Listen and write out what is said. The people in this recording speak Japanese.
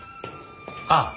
ああ